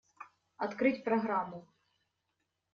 Открыть программу.